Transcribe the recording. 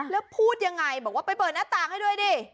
แล้วพูดยังไงบอกว่าไปเปิดหน้าต่างให้ด้วยดิ